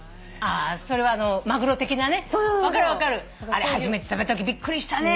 あれ初めて食べたときびっくりしたね。